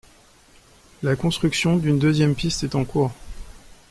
La construction d'une deuxième piste est en cours.